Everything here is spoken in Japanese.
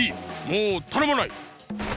もうたのまない！